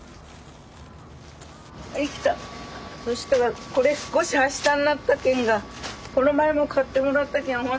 そしたらこれ少しは下になったけんがこの前も買ってもらったけんおまけしとくね。